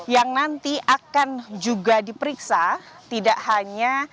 yang nanti akan juga diperiksa tidak hanya